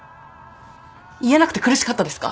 言えなくて苦しかったですか？